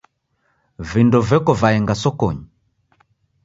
Vindo veko vaenga sokonyi.